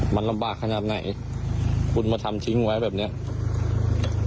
มันลำบากขนาดไหนคุณมาทำทิ้งไว้แบบเนี้ย